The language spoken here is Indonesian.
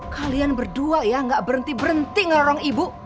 kalian berdua ya gak berhenti berhenti ngerorong ibu